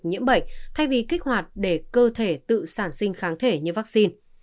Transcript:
nhiễm bệnh thay vì kích hoạt để cơ thể tự sản sinh kháng thể như vaccine